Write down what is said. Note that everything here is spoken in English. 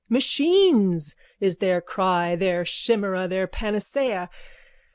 Machines is their cry, their chimera, their panacea.